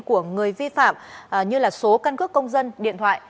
của người vi phạm như là số căn cước công dân điện thoại